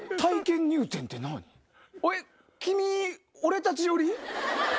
君俺たち寄り？